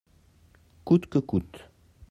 coûte que coûte.